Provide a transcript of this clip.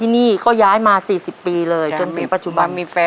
สี่สิบปี